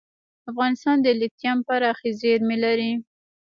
افغانستان د لیتیم پراخې زیرمې لري.